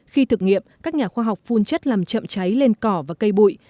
khi thực nghiệm các nhà khoa học phun chất làm chậm cháy lên cỏ và cây bụi